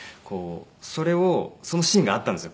それをそのシーンがあったんですよ。